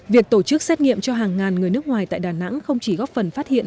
việc tổ chức xét nghiệm cho hàng ngàn người nước ngoài tại đà nẵng không chỉ góp phần phát hiện